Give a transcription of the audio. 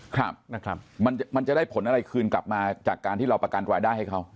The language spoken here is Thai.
ครับนะครับมันมันจะได้ผลอะไรคืนกลับมาจากการที่เราประกันรายได้ให้เขา